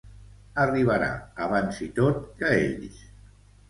Arribarà abans i tot que ells.